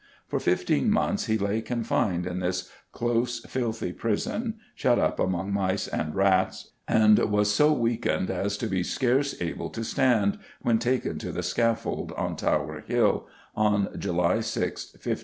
For fifteen months he lay confined in this "close, filthy prison, shut up among mice and rats," and was so weakened as to be "scarce able to stand," when taken to the scaffold, on Tower Hill, on July 6, 1535.